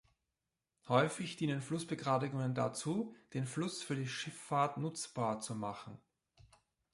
Häufig dienen Flussbegradigungen dazu, den Fluss für die Schifffahrt nutzbar zu machen.